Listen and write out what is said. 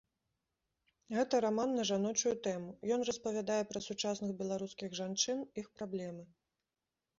Гэта раман на жаночую тэму, ён распавядае пра сучасных беларускіх жанчын, іх праблемы.